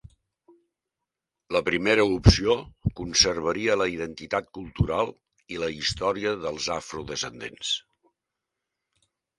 La primera opció conservaria la identitat cultural i la història dels afrodescendents.